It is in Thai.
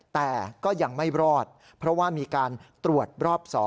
แต่ก็ยังไม่รอดเพราะว่ามีการตรวจรอบ๒